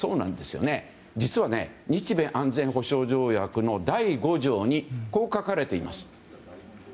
実は、日米安全保障条約の第５条にこう書かれています。